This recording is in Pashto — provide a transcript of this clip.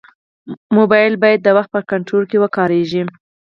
موبایل باید د وخت په کنټرول کې وکارېږي.